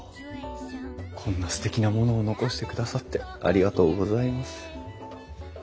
こんなすてきなものを残してくださってありがとうございます。